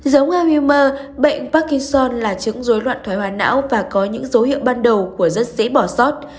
giống alzheimer bệnh parkinson là chứng dối loạn thoái hoa não và có những dấu hiệu ban đầu của dất sĩ bỏ sót